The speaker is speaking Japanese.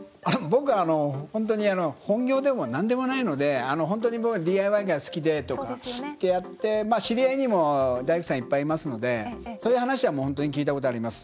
僕は、本当に本業でもなんでもないので本当にＤＩＹが好きで知り合いにも大工さんいっぱいいますのでそういう話は本当に聞いたことあります。